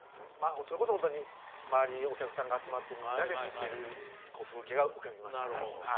それこそホントに周りにお客さんが集まってみんなで見てるこう風景が浮かびました